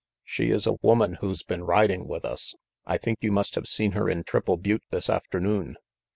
"She is a woman who's been riding with us. I think you must have seen her in Triple Butte this afternoon.